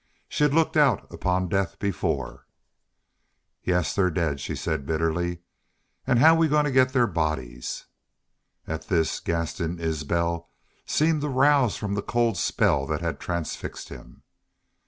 She had looked out upon death before. "Yes, they're dead," she said, bitterly. "An' how are we goin' to get their bodies?" At this Gaston Isbel seemed to rouse from the cold spell that had transfixed him.